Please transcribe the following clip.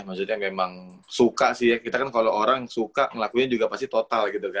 maksudnya memang suka sih ya kita kan kalau orang suka ngelakunya juga pasti total gitu kan